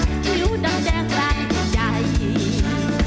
ไม่รู้ดังแดงรายก็ใหญ่